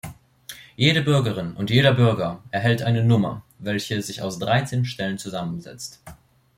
Jede Bürgerin und jeder Bürger erhält eine Nummer, welche sich aus dreizehn Stellen zusammensetzt.